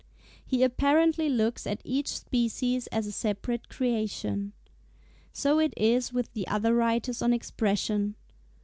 He apparently looks at each species as a separate creation. So it is with the other writers on Expression.